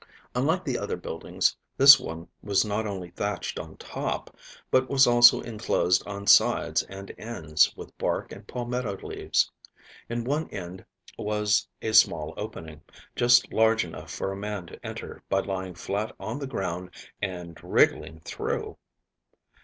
Unlike the other buildings, this one was not only thatched on top, but was also inclosed on sides and ends with bark and palmetto leaves. In one end was a small opening, just large enough for a man to enter by lying flat on the ground and wriggling through.